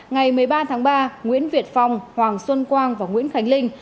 ngày một mươi ba tháng ba nguyễn việt phong hoàng xuân quang và nguyễn khánh linh